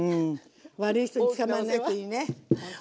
悪い人につかまんないといいねほんと。